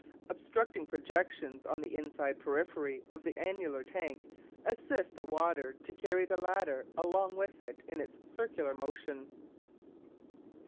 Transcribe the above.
Obstructing projections on the inside periphery of the annular tank assist the water to carry the latter along with it in its circular motion.